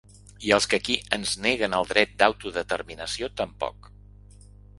I els que aquí ens neguen el dret d’autodeterminació tampoc.